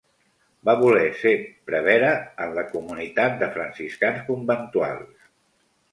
Va voler ser prevere en la comunitat de franciscans conventuals.